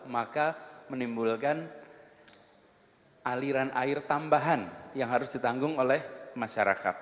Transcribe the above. maka menimbulkan aliran air tambahan yang harus ditanggung oleh masyarakat